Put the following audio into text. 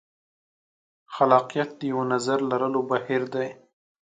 خلاقیت د یوه نظر لرلو بهیر دی.